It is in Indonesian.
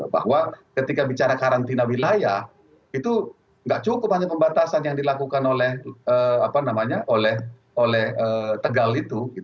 bahwa ketika bicara karantina wilayah itu tidak cukup hanya pembatasan yang dilakukan oleh tegal itu